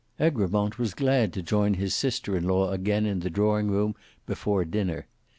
Egremont was glad to join his sister in law again in the drawing room before dinner.